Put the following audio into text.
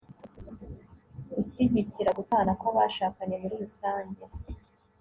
ushyigikira gutana kw'abashakanye muri rusange